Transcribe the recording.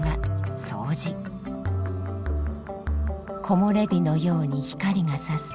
木もれ日のように光がさす